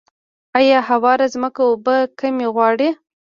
آیا هواره ځمکه اوبه کمې غواړي؟